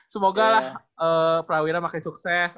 semoga lah prawira makin sukses